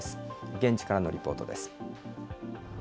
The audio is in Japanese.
現地からのリポートです。